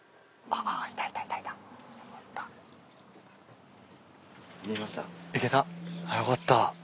あっよかった。